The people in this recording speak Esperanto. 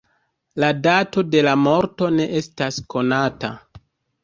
La dato de la morto ne estas konata.